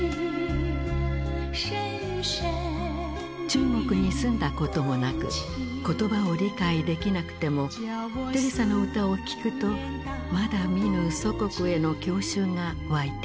中国に住んだこともなく言葉を理解できなくてもテレサの歌を聴くとまだ見ぬ祖国への郷愁が湧いてきた。